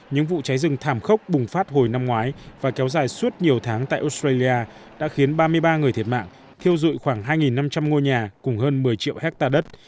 những vụ cháy rừng thảm khốc bùng phát hồi năm ngoái và kéo dài suốt nhiều tháng tại australia đã khiến ba mươi ba người thiệt mạng thiêu dụi khoảng hai năm trăm linh ngôi nhà cùng hơn một mươi triệu hectare đất